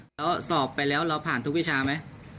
แล้วสอบไปแล้วเราผ่านทุกวิชาไหม